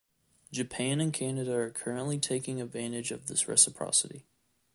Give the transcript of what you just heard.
Japan and Canada are currently taking advantage of this reciprocity.